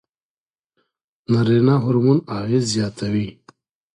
نارینه هورمون اغېز زیاتوي.